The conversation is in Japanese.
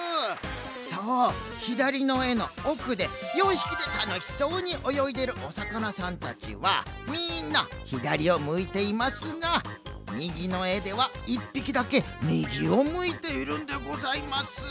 そうひだりのえのおくで４ひきでたのしそうにおよいでるおさかなさんたちはみんなひだりをむいていますがみぎのえでは１ぴきだけみぎをむいているんでございます。